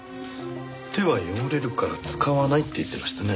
手は汚れるから使わないって言ってましたね。